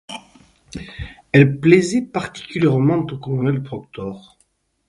Elle plaisait particulièrement au colonel Proctor.